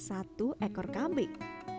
satu ekor kambing